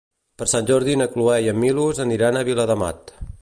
Per Sant Jordi na Cloè i en Milos aniran a Viladamat.